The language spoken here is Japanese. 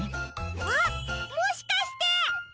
あっもしかして！